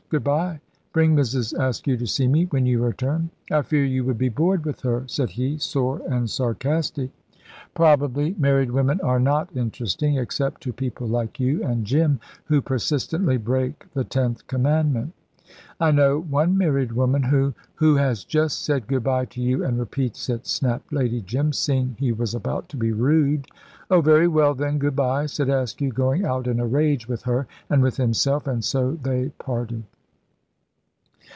Good bye! Bring Mrs. Askew to see me when you return." "I fear you would be bored with her," said he, sore and sarcastic. "Probably. Married women are not interesting, except to people like you and Jim, who persistently break the tenth commandment." "I know one married woman who " "Who has just said good bye to you, and repeats it," snapped Lady Jim, seeing he was about to be rude. "Oh, very well, then, good bye," said Askew, going out in a rage with her and with himself. And so they parted.